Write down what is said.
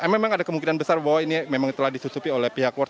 memang ada kemungkinan besar bahwa ini memang telah disusupi oleh pihak world